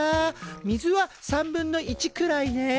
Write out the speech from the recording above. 水は３分の１くらいね。